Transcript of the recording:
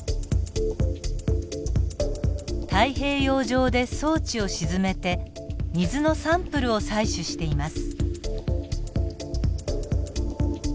太平洋上で装置を沈めて水のサンプルを採取しています。